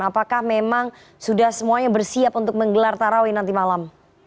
apakah memang sudah semuanya bersiap untuk menggelar tarawih nanti malam